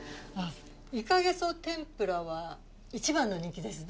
いかげそ天ぷらは一番の人気ですね